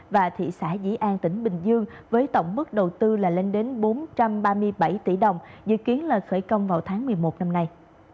và thị xã dĩ an tỉnh bình dương với tổng mức đầu tư là lên đến bốn trăm ba mươi bảy tỷ đồng dự kiến là khởi công vào tháng một mươi một năm nay